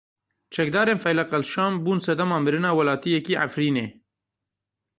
Çekdarên Feyleq El Şam bûn sedema mirina welatiyekî Efrînê.